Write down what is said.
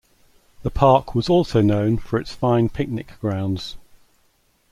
The park was also known for its fine picnic grounds.